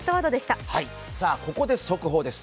ここで速報です。